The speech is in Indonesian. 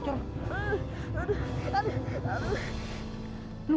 aduh aduh aduh